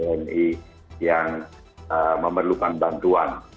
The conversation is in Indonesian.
kami juga membutuhkan bantuan